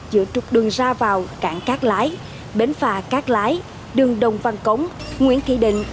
giữa trục đường ra vào cảng cát lái bến phà cát lái đường đồng văn cống nguyễn thị định